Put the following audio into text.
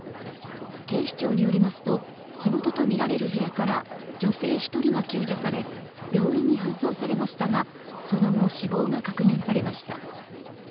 警視庁によりますと火元とみられる部屋から女性１人が救助され病院に搬送されましたがその後、死亡が確認されました。